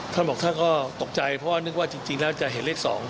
ท่านบอกท่านก็ตกใจเพราะว่านึกว่าจริงแล้วจะเห็นเลข๒